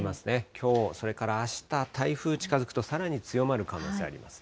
きょう、それからあした、台風近づくとさらに強まる可能性あります。